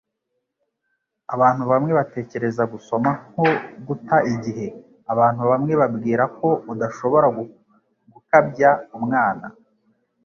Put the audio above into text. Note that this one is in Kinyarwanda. Abantu bamwe batekereza gusoma nko guta igihe. Abantu bamwe bibwira ko udashobora gukabya umwana.